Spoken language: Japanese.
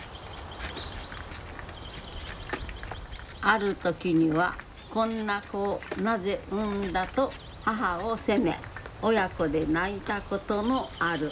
ある時には「こんな子をなぜ産んだ」と母を責め親子で泣いたこともある。